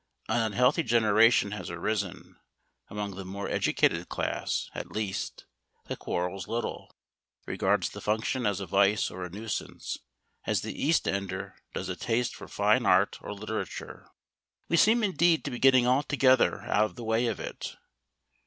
An unhealthy generation has arisen among the more educated class at least that quarrels little, regards the function as a vice or a nuisance, as the East ender does a taste for fine art or literature. We seem indeed to be getting altogether out of the way of it.